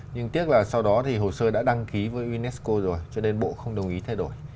nhưng tiếc là sau đó thì hồ sơ đã đăng ký với unesco rồi cho nên bộ không đồng ý thay đổi